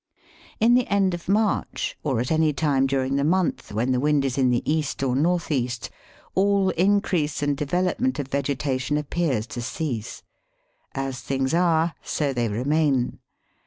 In the end of March, or at any time during the month when the wind is in the east or north east, all increase and development of vegetation appears to cease. As things are, so they remain.